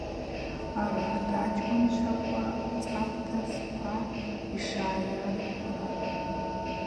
Арат ачкӏвынчваква цапӏта спа йшйархӏвхра.